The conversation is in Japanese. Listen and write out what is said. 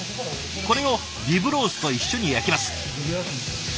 これをリブロースと一緒に焼きます。